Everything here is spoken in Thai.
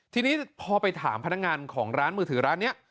ทีนี้พอไปถามพนักงานของร้านมือถือร้านนี้